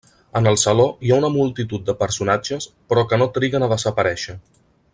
En el saló hi ha una multitud de personatges, però que no triguen a desaparèixer.